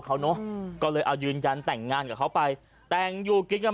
เขาเนอะก็เลยเอายืนยันแต่งงานกับเขาไปแต่งอยู่กินกัน